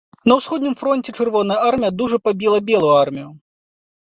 На ўсходнім фронце чырвоная армія дужа пабіла белую армію.